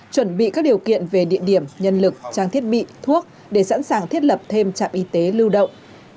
chuẩn bị các điều kiện về địa điểm nhân lực trang thiết bị thuốc để sẵn sàng thiết lập thêm trạm y tế lưu động